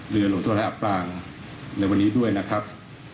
เรือหลวงสวทัยอัปราณ์ในวันนี้ด้วยนะครับ